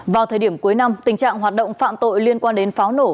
vào thời điểm cuối năm tình trạng hoạt động phạm tội liên quan đến pháo nổ